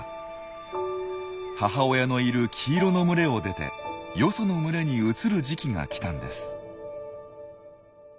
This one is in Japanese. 母親のいる黄色の群れを出てよその群れに移る時期が来たんです。